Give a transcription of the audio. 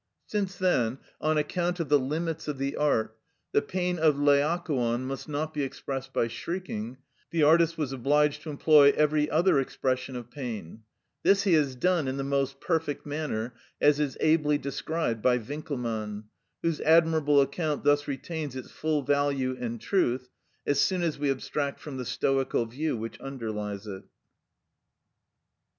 Since then, on account of the limits of the art, the pain of Laocoon must not be expressed by shrieking, the artist was obliged to employ every other expression of pain; this he has done in the most perfect manner, as is ably described by Winckelmann (Works, vol. vi. p. 104), whose admirable account thus retains its full value and truth, as soon as we abstract from the stoical view which underlies it.